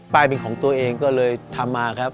เป็นของตัวเองก็เลยทำมาครับ